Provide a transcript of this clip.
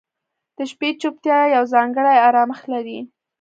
• د شپې چوپتیا یو ځانګړی آرامښت لري.